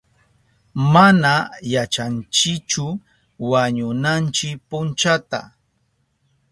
Mana yachanchichu wañunanchi punchata.